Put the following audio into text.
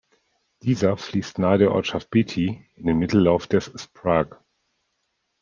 Dieser fließt nahe der Ortschaft Beatty in den Mittellauf des Sprague.